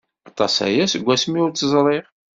Aṭas aya seg wasmi ur tt-ẓriɣ.